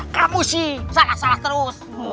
kamu sih salah salah terus